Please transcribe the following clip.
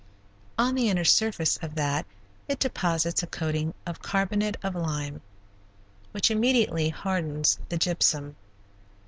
On the inner surface of that it deposits a coating of carbonate of lime, which immediately hardens the gypsum.